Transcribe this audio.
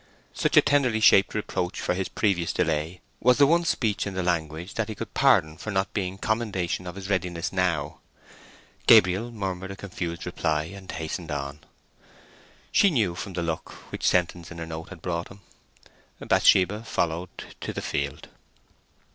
Such a tenderly shaped reproach for his previous delay was the one speech in the language that he could pardon for not being commendation of his readiness now. Gabriel murmured a confused reply, and hastened on. She knew from the look which sentence in her note had brought him. Bathsheba followed to the field.